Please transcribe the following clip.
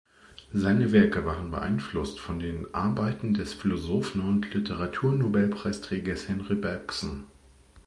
Seine Werke waren beeinflusst von den Arbeiten des Philosophen und Literaturnobelpreisträgers Henri Bergson.